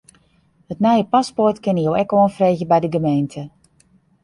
It nije paspoart kinne jo ek oanfreegje by de gemeente.